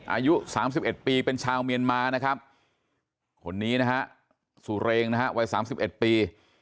อายุ๓๑ปีเป็นชาวเมียนมานะครับคนนี้นะฮะสุเรงนะฮะวัย๓๑ปี